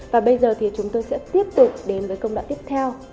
và bây giờ thì chúng tôi sẽ tiếp tục đến với công đoạn tiếp theo